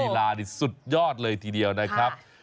ลานี่สุดยอดเลยทีเดียวนะครับ